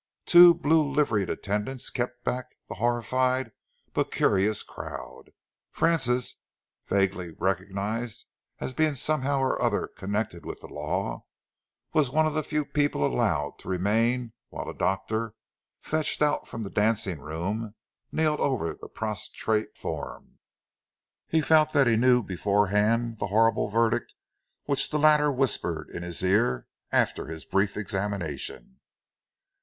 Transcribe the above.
Two blue liveried attendants kept back the horrified but curious crowd. Francis, vaguely recognised as being somehow or other connected with the law, was one of the few people allowed to remain whilst a doctor, fetched out from the dancing room, kneeled over the prostrate form. He felt that he knew beforehand the horrible verdict which the latter whispered in his ear after his brief examination.